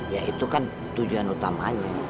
ya itu kan tujuan utamanya